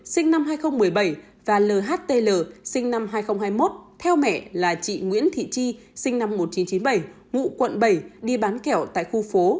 sinh năm hai nghìn một mươi bảy và lhtl sinh năm hai nghìn hai mươi một theo mẹ là chị nguyễn thị chi sinh năm một nghìn chín trăm chín mươi bảy ngụ quận bảy đi bán kẹo tại khu phố